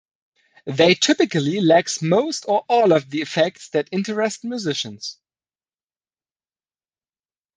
They typically lacks most or all of the effects that interest musicians.